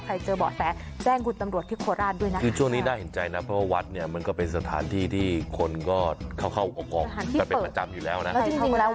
เจอเบาะแสแจ้งคุณตำรวจที่โคราชด้วยนะคือช่วงนี้น่าเห็นใจนะเพราะว่าวัดเนี่ยมันก็เป็นสถานที่ที่คนก็เข้าเข้าออกกันเป็นประจำอยู่แล้วนะ